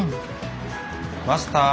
マスター。